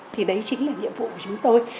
thì đấy chính là nhiệm vụ của chúng tôi